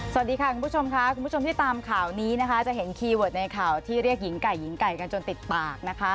สวัสดีค่ะคุณผู้ชมค่ะคุณผู้ชมที่ตามข่าวนี้นะคะจะเห็นคีย์เวิร์ดในข่าวที่เรียกหญิงไก่หญิงไก่กันจนติดปากนะคะ